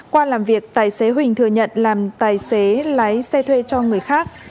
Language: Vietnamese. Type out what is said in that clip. qua làm việc tài xế huỳnh thừa nhận làm tài xế lái xe thuê cho người khác